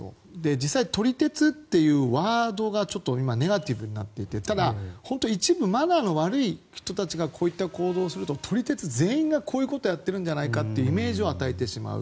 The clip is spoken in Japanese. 実際、撮り鉄というワードがちょっと今ネガティブになっていてただ、本当一部マナーの悪い人たちがこういった行動をすると撮り鉄全員がこういうことをしているんじゃないかというイメージを与えてしまう。